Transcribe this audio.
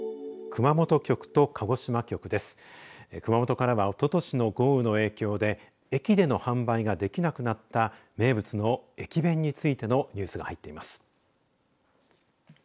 熊本からはおととしの豪雨の影響で駅での販売ができなくなった名物の駅弁についてのニュースが入っています。